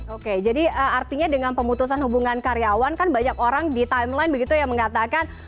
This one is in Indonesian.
oke jadi artinya dengan pemutusan hubungan karyawan kan banyak orang di timeline begitu ya mengatakan